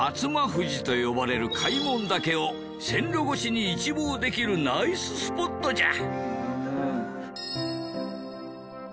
富士と呼ばれる開聞岳を線路越しに一望できるナイススポットじゃ！